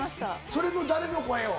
それの誰の声を？